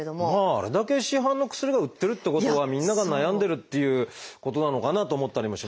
あれだけ市販の薬が売ってるってことはみんなが悩んでるっていうことなのかなと思ったりもしますが。